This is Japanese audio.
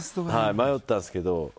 迷ったんですけど。